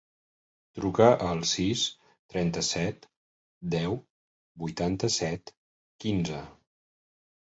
Truca al sis, trenta-set, deu, vuitanta-set, quinze.